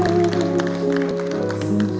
oke kakak bismillah